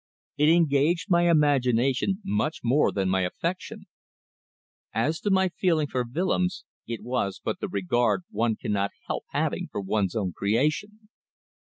It engaged my imagination much more than my affection. As to my feeling for Willems it was but the regard one cannot help having for one's own creation.